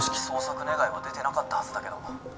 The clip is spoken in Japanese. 捜索願いは出てなかったはずだけど。